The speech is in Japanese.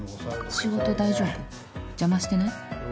「仕事大丈夫？邪魔してない？」。